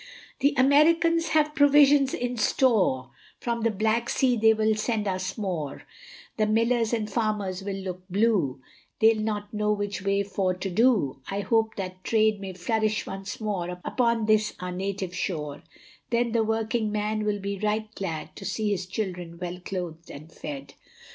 The Americans have provisions in store, From the black sea they will send us more, The millers and farmers will look blue, They'll not know which way for to do; I hope that trade may flourish once more, Upon this our native shore, Then the working man will be right glad To see his children well cloth'd and fed.